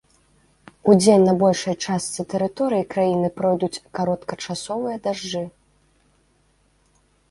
Удзень на большай частцы тэрыторыі краіны пройдуць кароткачасовыя дажджы.